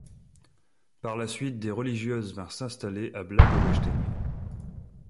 Par la suite, des religieuses vinrent s'installer à Blagoveštenje.